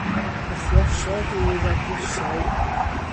Y lluosog yw radiysau.